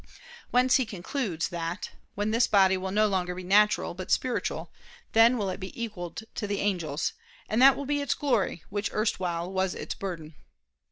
Whence he concludes that, "when this body will no longer be 'natural,' but 'spiritual,' then will it be equalled to the angels, and that will be its glory, which erstwhile was its burden."